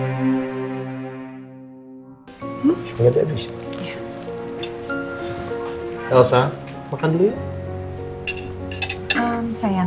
aku udah siapin sarapan buat kamu dimakan ya